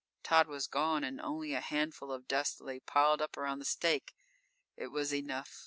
Tod was gone and only a handful of dust lay piled up around the stake. It was enough.